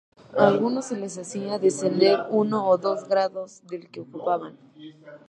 A algunos se les hacía descender uno o dos grados del que ocupaban.